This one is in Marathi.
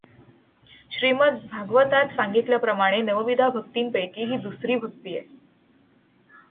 श्रीमद् भागवतात सांगितल्याप्रमाणे नवविधा भक्तींपैकी ही दुसरी भक्ती आहे.